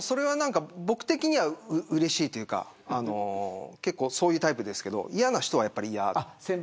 僕的には、うれしいというか結構そういうタイプですけど嫌な人はやっぱり嫌。